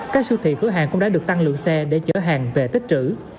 các siêu thị cửa hàng cũng đã được tăng lượng xe để chở hàng về tích trữ